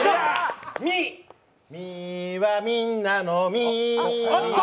ミはみんなのミ。